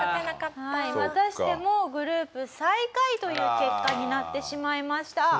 はいまたしてもグループ最下位という結果になってしまいました。